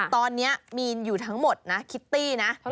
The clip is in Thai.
ตอนนี้มีนอยู่ทั้งหมดนะคิตตี้นะ